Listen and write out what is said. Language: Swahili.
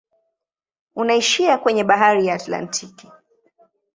Unaishia kwenye bahari ya Atlantiki.